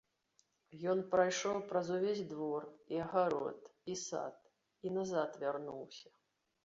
Ён прайшоў праз увесь двор і агарод, і сад і назад вярнуўся.